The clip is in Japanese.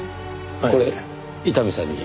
これ伊丹さんに。